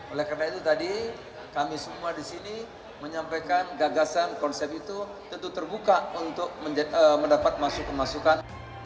oleh karena itu tadi kami semua di sini menyampaikan gagasan konsep itu tentu terbuka untuk mendapat masukan masukan